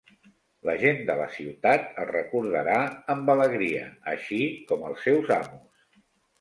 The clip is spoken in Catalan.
La gent de la ciutat el recordarà amb alegria, així com els seus amos.